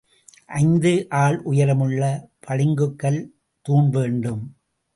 ஐந்து ஆள் உயரமுள்ள பளிங்குக்கல் தூண்வேண்டும்.